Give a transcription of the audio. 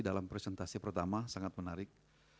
dalam presentasi pertama sangat menarik